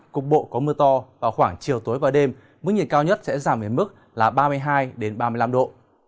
cục bộ có mưa to vào khoảng chiều tối và đêm mức nhiệt cao nhất sẽ giảm đến mức là ba mươi hai ba mươi năm độ